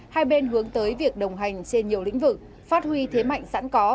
hai bên hướng tới việc đồng hành trên nhiều lĩnh vực phát huy thế mạnh sẵn có